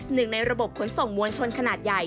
หนึ่งในระบบขนส่งมวลชนขนาดใหญ่